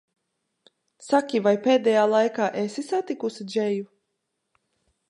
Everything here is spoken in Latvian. Saki, vai pēdējā laikā esi satikusi Džeju?